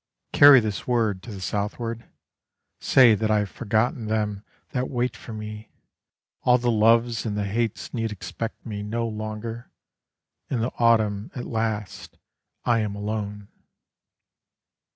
Carry this word to the southward; Say that I have forgotten them that wait for me, All the loves and the hates need expect me no longer, In the autumn at last I am alone.